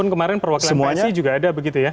kemarin perwakilan wasi juga ada begitu ya